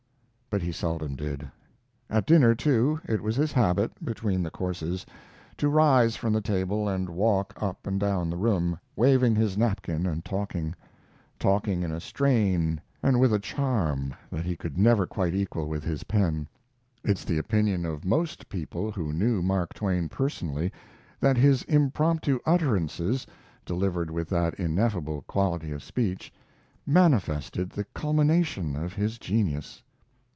But he seldom did. At dinner, too, it was his habit, between the courses, to rise from the table and walk up and down the room, waving his napkin and talking! talking in a strain and with a charm that he could never quite equal with his pen. It's the opinion of most people who knew Mark Twain personally that his impromptu utterances, delivered with that ineffable quality of speech, manifested the culmination of his genius.